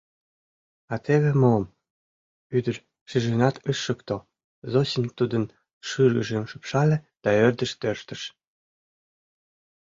— А теве мом! — ӱдыр шижынат ыш шукто, Зосим тудын шӱргыжым шупшале да ӧрдыш тӧрштыш.